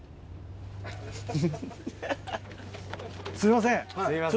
すいません。